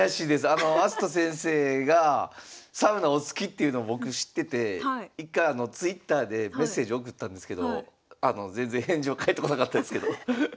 あの明日斗先生がサウナお好きっていうの僕知ってて一回あのＴｗｉｔｔｅｒでメッセージ送ったんですけど全然返事も返ってこなかったですけど。